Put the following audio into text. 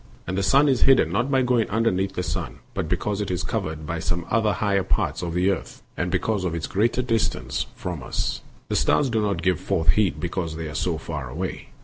And the sun is hidden not by going underneath the earth, but because it is covered by some of the higher parts of the earth, and because of its greater distance from us. The stars do not give forth heat because they are so far away.